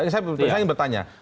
saya ingin bertanya